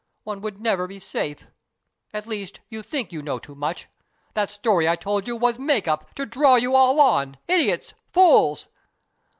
One would never be safe. At least, you think you know too much. That story I told you was make up, to draw you all on. Idiots ! Fools